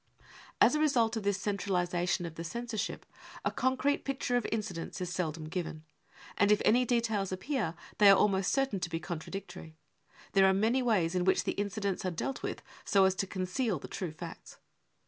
As a result of this centralisation of the censorship, a concrete picture of incidents is seldom given ; and if any details appear, they are almost certain to be contradictory. There are many ways in which the incidents are dealt with so as to conceal the true facts.